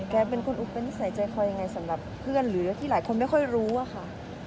แกเป็นคนอุปนิสัยใจคอยังไงสำหรับเพื่อนหรือที่หลายคนไม่ค่อยรู้อะค่ะ